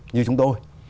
như chúng tôi